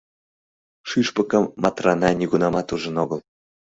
Шӱшпыкым Матрана нигунамат ужын огыл.